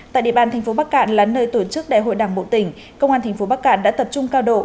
tại địa bàn thành phố bắc cạn là nơi tổ chức đại hội đảng bộ tỉnh công an tp bắc cạn đã tập trung cao độ